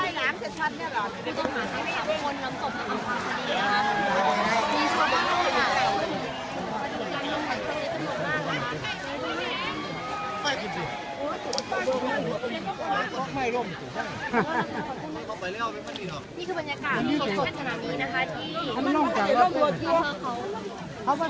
นี่คือบรรยากาศที่สดขนาดนี้นะคะที่เขาสดกว่านะคะจังหวัดหลังแก่นค่ะ